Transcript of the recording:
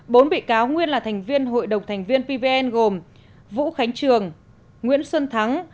bốn bị cáo nguyên là thành viên hội đồng thành viên pvn gồm vũ khánh trường nguyễn xuân thắng